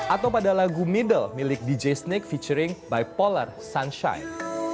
atau pada lagu middle milik dj snake featuring bipolar sunshide